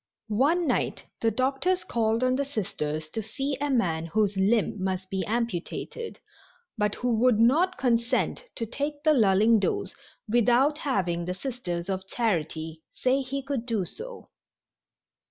One night the doctors called on the Sisters to see a man whose limb must be amputated, but who would not consent to take the lulling dose without having the Sisters of Charity say he could do so.